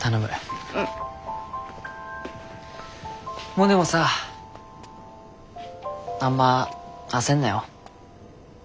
モネもさあんま焦んなよ。